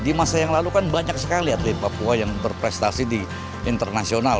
di masa yang lalu kan banyak sekali atlet papua yang berprestasi di internasional